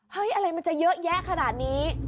อะไรมันจะเยอะแยะขนาดนี้